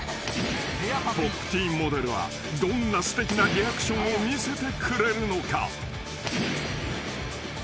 ［『Ｐｏｐｔｅｅｎ』モデルはどんなすてきなリアクションを見せてくれるのか？］